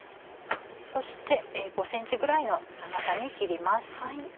そして５ｃｍぐらいの長さに切ります。